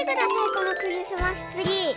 このクリスマスツリー。